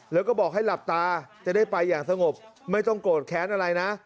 แล้วก็บอกให้หลับตาจะได้ไปอย่างสงบไม่ต้องโกรธแค้นอะไรนะ